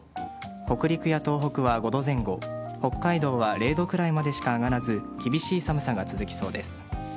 北陸や東北は５度前後北海道は０度くらいまでしか上がらず厳しい寒さが続きそうです。